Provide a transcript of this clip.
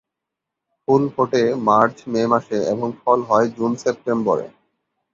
ফুল ফোটে মার্চ-মে মাসে এবং ফল হয় জুন-সেপ্টেম্বরে।